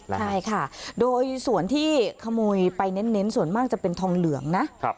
ใช่ค่ะโดยส่วนที่ขโมยไปเน้นส่วนมากจะเป็นทองเหลืองนะ